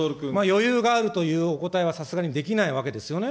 余裕があるというお答えはさすがにできないわけですよね。